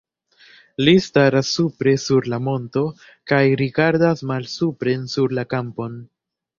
Li staras supre sur la monto kaj rigardas malsupren sur la kampon.